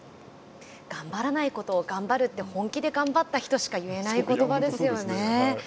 頑張らないことを頑張るって本気で頑張った人にしか言えないことばですよね。